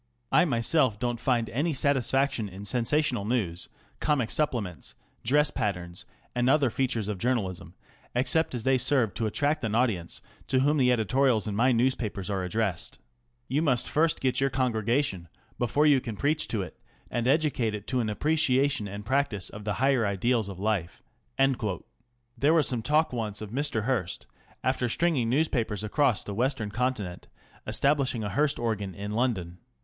I myself don't find any satisfaction in sensational news, comic supplements, dress patterns, and other features of journalism, except as they serve to attract an audience to whom the editorials in my newspapers are addressed. You must first get your congregation before you can preach to it, and educate it to an appreciation and practice of the higher ideals of life." There was some talk once of Mr. Hearst, after stringing newspapers across the Western Continent, establishing a Hearst organ in London.